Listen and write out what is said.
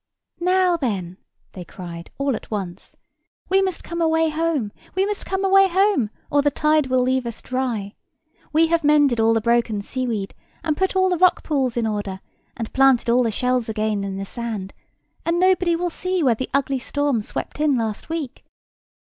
"Now then," they cried all at once, "we must come away home, we must come away home, or the tide will leave us dry. We have mended all the broken sea weed, and put all the rock pools in order, and planted all the shells again in the sand, and nobody will see where the ugly storm swept in last week."